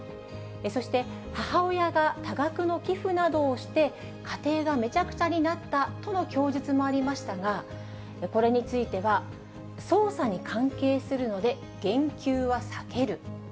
そして、母親が多額の寄付などをして、家庭がめちゃくちゃになったとの供述もありましたが、これについては、捜査に関係するので、言及は避ける。